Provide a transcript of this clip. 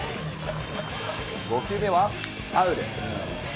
５球目はファウル。